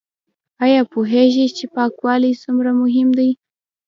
ایا پوهیږئ چې پاکوالی څومره مهم دی؟